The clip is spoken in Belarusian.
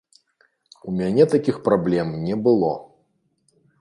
У мяне такіх праблем не было!